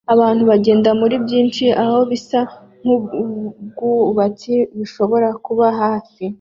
Abantu bagenda muri byinshi aho bisa nkubwubatsi bishobora kuba hafi